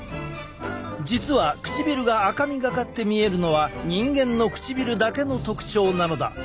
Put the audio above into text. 実は唇が赤みがかって見えるのは人間の唇だけの特徴なのだ。